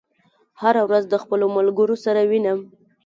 هره ورځ د خپلو ملګرو سره وینم.